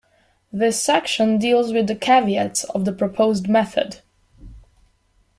This section deals with the caveats of the proposed method.